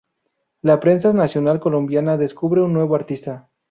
La prensa nacional colombiana descubre un nuevo artista.